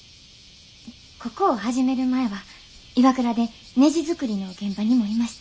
ここを始める前はＩＷＡＫＵＲＡでねじ作りの現場にもいました。